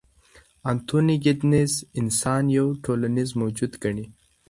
انتوني ګیدنز انسان یو ټولنیز موجود ګڼي.